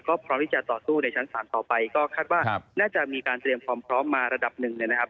ก็พร้อมที่จะต่อสู้ในชั้นศาลต่อไปก็คาดว่าน่าจะมีการเตรียมความพร้อมมาระดับหนึ่งเนี่ยนะครับ